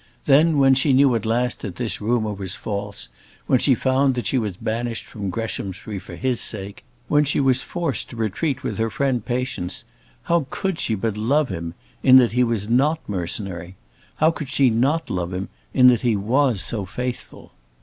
Then, when she knew at last that this rumour was false, when she found that she was banished from Greshamsbury for his sake, when she was forced to retreat with her friend Patience, how could she but love him, in that he was not mercenary? How could she not love him in that he was so faithful?